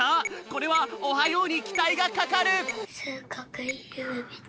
これは「おはよう」にきたいがかかる！